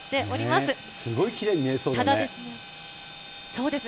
すごいきれいに見えそうだね。